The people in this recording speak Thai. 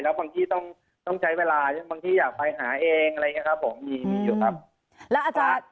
แล้วบางที่ต้องใช้เวลาบางที่อยากไปหาเองอะไรอย่างนี้ครับผม